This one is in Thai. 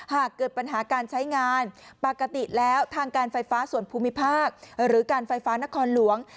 หากเกิดปัญหาการใช้งานปกติแล้วทางการไฟฟ้าส่วนภูมิภาคหรือการไฟฟ้านครหลวง